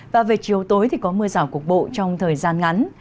và về chiều tối thì có mưa rào cục bộ trong thời gian ngắn